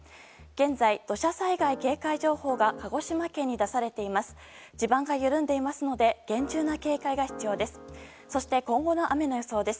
現在、土砂災害警戒情報が鹿児島県に出されています。